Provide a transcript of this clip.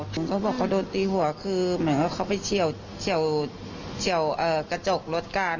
เขาบอกเขาโดนตีหัวคือเหมือนว่าเขาไปเฉียวกระจกรถกัน